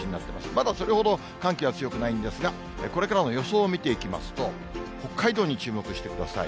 まだそれほど、寒気は強くないんですが、これからの予想を見ていきますと、北海道に注目してください。